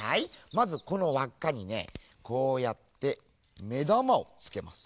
まずこのわっかにねこうやってめだまをつけます。